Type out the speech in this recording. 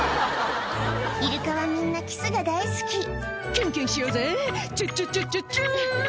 イルカはみんなキスが大好き「キュンキュンしようぜチュッチュチュッチュチュ」